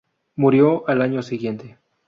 Murió al año siguiente.